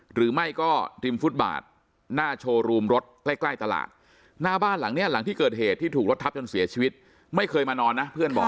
หรือไม่ก็ริมฟุตบาทหน้าโชว์รูมรถใกล้ใกล้ตลาดหน้าบ้านหลังเนี้ยหลังที่เกิดเหตุที่ถูกรถทับจนเสียชีวิตไม่เคยมานอนนะเพื่อนบอก